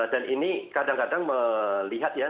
dan ini kadang kadang melihat ya